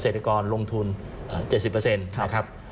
กรลงทุน๗๐นะครับ